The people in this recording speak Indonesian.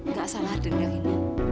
nggak salah dengar ini